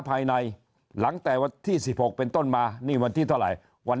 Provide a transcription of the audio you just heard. ภายในหลังจากวันที่๑๖เป็นต้นมานี่วันที่เท่าไหร่วัน